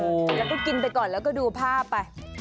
แล้วก็กินไปก่อนแล้วก็ดูภาพไป